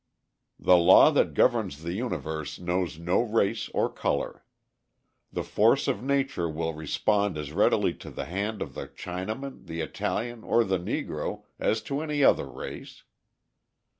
The law that governs the universe knows no race or colour. The force of nature will respond as readily to the hand of the Chinaman, the Italian, or the Negro as to any other race.